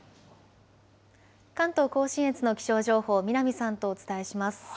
関東甲信越の気象情報、南さんとお伝えします。